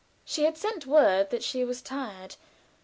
She had sent word that she was tired.